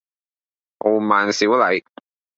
傲慢少禮